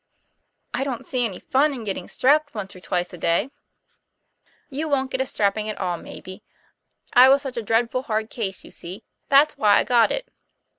' I don't see any fun in getting strapped once or twice a day." 32 TOM PL A YFAIR. "You wont get a strapping at all, maybe. I was such a dreadful hard case, you see; that's why I got it."